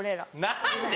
何で！